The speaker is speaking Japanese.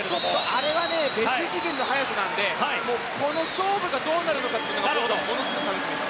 あれは別次元の速さなのでこの勝負がどうなるかというのが楽しみです。